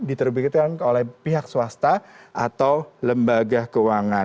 diterbitkan oleh pihak swasta atau lembaga keuangan